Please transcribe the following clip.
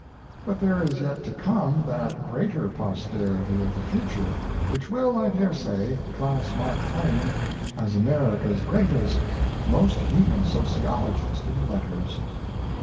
But there is yet to come that greater posterity of the future which will, I dare say, class Mark Twain as America's greatest, most human sociologist in letters.